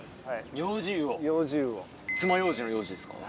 つまようじのヨウジですか？